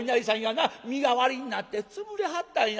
身代わりになって潰れはったんや。